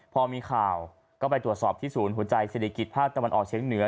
พอมีข่าวก็ไปตรวจสอบที่ศูนย์หัวใจเศรษฐกิจภาคตะวันออกเชียงเหนือ